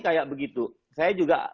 kayak begitu saya juga